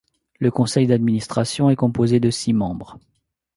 Le conseil d'administration est composé de six membres.